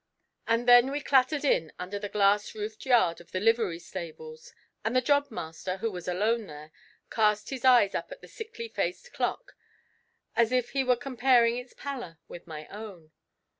And then we clattered in under the glass roofed yard of the livery stables; and the job master, who was alone there, cast his eyes up at the sickly faced clock, as if he were comparing its pallor with my own.